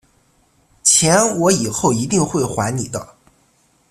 钱我以后一定会还你的